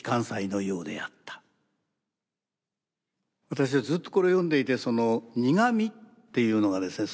私はずっとこれを読んでいて「苦味」っていうのがですね